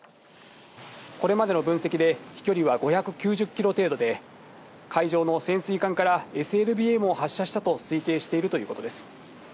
これまでの分析で、飛距離は５９０キロ程度で、海上の潜水艦からＳＬＢＭを発射したと推定しているということです。